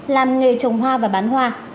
làm nghề trồng hoa và bán hoa